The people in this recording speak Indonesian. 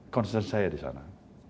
concern saya di sana